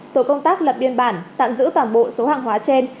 tổ công tác lập biên bản tạm giữ toàn bộ số hàng hóa trên